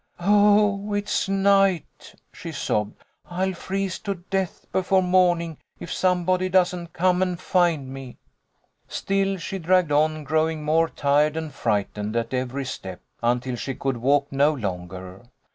" Oh, it's night !" she sobbed. " I'll freeze to death before morning if somebody doesn't come and find me." Still she dragged on, growing more tired and frightened at every step, until she could walk no longer.